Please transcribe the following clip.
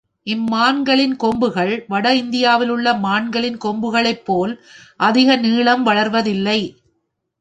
இம் மான்களின் கொம்புகள் வட இந்தியாவிலுள்ள மான்களின் கொம்புகளைப்போல் அதிக நீளம் வளர்வதில்லை.